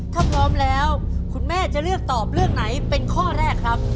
ถ้าพร้อมแล้วคุณแม่จะเลือกตอบเรื่องไหนเป็นข้อแรกครับ